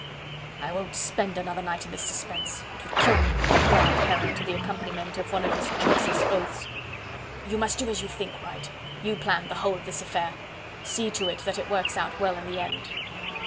"I won't spend another night in this suspense it would kill me," growled Heron to the accompaniment of one of his choicest oaths. "You must do as you think right you planned the whole of this affair see to it that it works out well in the end."